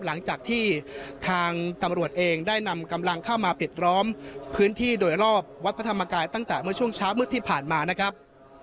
หลังจากที่ทางตำรวจเองได้นำกำลังเข้ามาปิดล้อมพื้นที่โดยรอบวัดพระธรรมกายตั้งแต่เมื่อช่วงเช้ามืดที่ผ่านมานะครับ